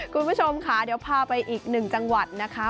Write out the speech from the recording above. คุณผู้ชมค่ะเดี๋ยวพาไปอีกหนึ่งจังหวัดนะคะ